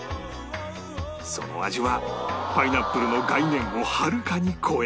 その味はパイナップルの概念をはるかに超え